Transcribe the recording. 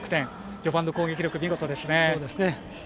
序盤の攻撃力見事ですね。